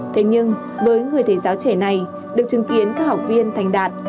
thế nhưng với người thầy giáo trẻ này được chứng kiến các học viên thành đạt